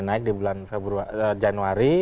naik di bulan januari